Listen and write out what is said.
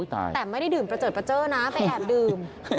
แต่ไม่ได้ดื่มประเจิดประเจอนะไปแอบดื่ม